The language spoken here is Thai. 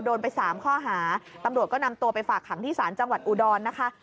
โดนไปสามข้อหาตำรวจก็นำตัวไปฝากขังที่ศาลจังหวัดอุดรนะคะ